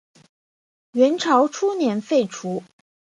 元朝初年废除。